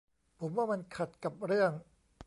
ผมว่ามันขัดกับเรื่อง